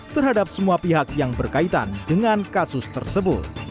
terhadap semua pihak yang berkaitan dengan kasus tersebut